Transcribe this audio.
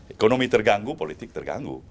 ekonomi terganggu politik terganggu